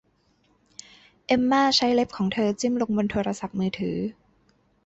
เอ็มม่าใช้เล็บของเธอจิ้มลงบนโทรศัพท์มือถือ